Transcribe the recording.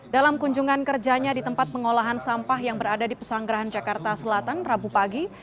dalam kunjungan kerjanya di tempat pengolahan sampah yang berada di pesanggerahan jakarta selatan rabu pagi